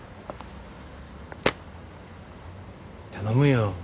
頼むよ。